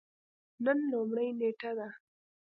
نن لومړۍ نیټه ده